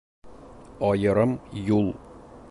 Айырым юл